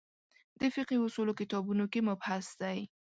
د فقهې اصولو کتابونو کې مبحث دی.